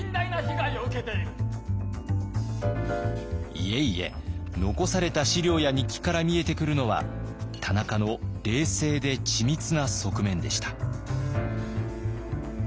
いえいえ残された資料や日記から見えてくるのは田中の冷静で緻密な側面でした。